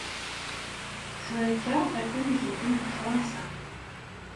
Tura akka atan ixeddem deg Fransa.